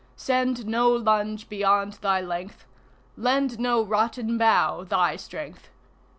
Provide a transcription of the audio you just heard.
Send no lunge beyond thy length; Lend no rotten bough thy strength.